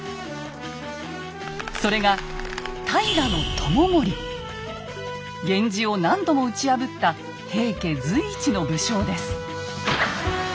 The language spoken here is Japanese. それが源氏を何度も打ち破った平家随一の武将です。